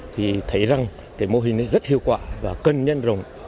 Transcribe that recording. thì thấy rằng cái mô hình rất hiệu quả và cần nhân rồng